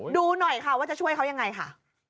ดูหน่อยค่ะว่าจะช่วยเขายังไงค่ะ